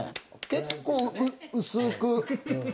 結構薄く。